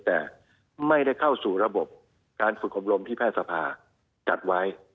แต่ไม่ได้เข้าสู่ระบบการฝึกอบรมที่แพทย์สภาจัดไว้